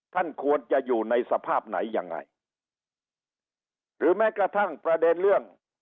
ท่านควรจะอยู่ในสภาพไหนยังไงหรือแม้กระทั่งประเด็นเรื่อง